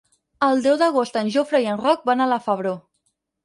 El deu d'agost en Jofre i en Roc van a la Febró.